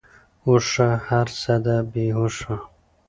اوښه ! هرڅه دی بی هوښه .